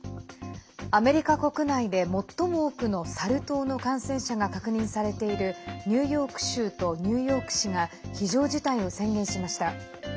アメリカ国内で最も多くのサル痘の感染者が確認されているニューヨーク州とニューヨーク市が非常事態を宣言しました。